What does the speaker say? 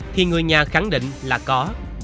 thì người nhà khẳng định là có